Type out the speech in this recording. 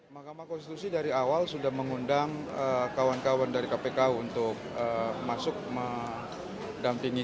mahkamah konstitusi dari awal sudah mengundang kawan kawan dari kpk untuk masuk mendampingi